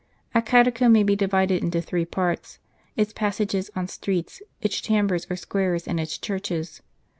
A catacomb may be divided into three parts, its passages or streets, its chambers or squares, and its churches.